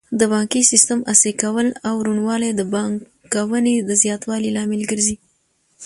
د بانکي سیسټم عصري کول او روڼوالی د پانګونې د زیاتوالي لامل ګرځي.